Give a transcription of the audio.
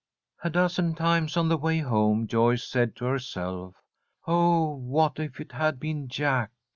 A dozen times on the way home Joyce said to herself: "Oh, what if it had been Jack!"